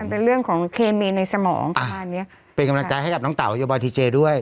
เป็นเรื่องของเคมีในสมองประมาณเนี้ยเป็นกำลังใจให้กับน้องเต่าโยบายทีเจด้วย